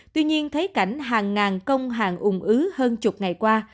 tuy nhiên thấy cảnh hàng ngàn công hàng ủng ứ hơn chục ngày qua